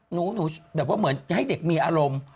หนูแบบว่าเหมือนให้เด็กมีอารมณ์